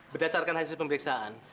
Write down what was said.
berdasarkan hasil pemeriksaan